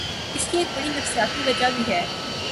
اس کی ایک بڑی نفسیاتی وجہ بھی ہے۔